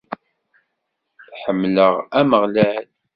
Ḥemmleɣ Ameɣlal.